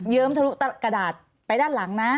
เยิ้มทะลุทะลุกระดาษไปด้านหลังนะ